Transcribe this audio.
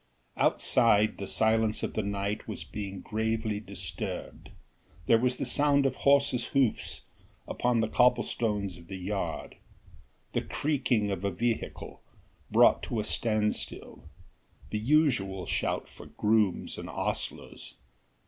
Outside the silence of the night was being gravely disturbed: there was the sound of horses' hoofs upon the cobble stones of the yard, the creaking of a vehicle brought to a standstill, the usual shouts for grooms and ostlers.